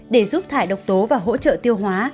để giúp thải độc tố và hỗ trợ tiêu hóa